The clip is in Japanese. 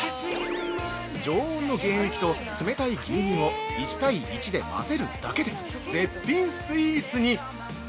◆常温の原液と冷たい牛乳を１対１で混ぜるだけで絶品スイーツに。